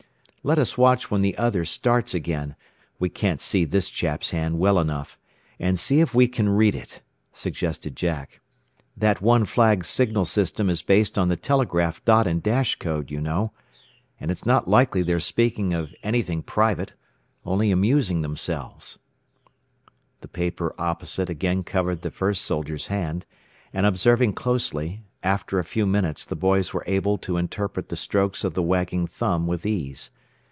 "Let us watch when the other starts again we can't see this chap's hand well enough and see if we can't read it," suggested Jack. "That one flag signal system is based on the telegraph dot and dash code, you know. And it's not likely they are speaking of anything private only amusing themselves." The paper opposite again covered the first soldier's hand, and observing closely, after a few minutes the boys were able to interpret the strokes of the wagging thumb with ease.